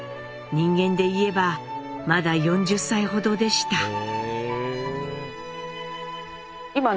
人間でいえばまだ４０歳ほどでした。